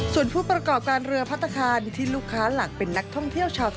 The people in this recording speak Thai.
ส่วนผู้ประกอบการเรือพัฒนาคารที่ลูกค้าหลักเป็นนักท่องเที่ยวชาวไทย